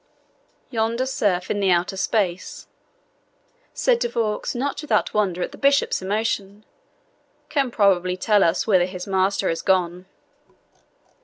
"Yonder serf in the outer space," said De Vaux, not without wonder at the bishop's emotion, "can probably tell us whither his master has gone."